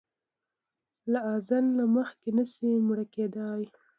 له اځل نه مخکې نه شې مړ کیدای!